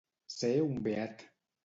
Ser un beat.